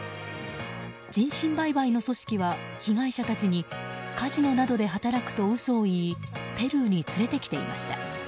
人身売買の組織は、被害者たちにカジノなどで働くと嘘を言いペルーに連れてきていました。